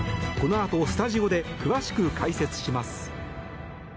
このあと、スタジオで詳しく解説します。